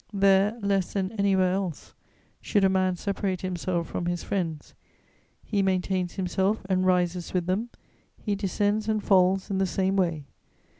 There, less than anywhere else, should a man separate himself from his friends; he maintains himself and rises with them, he descends and falls in the same way.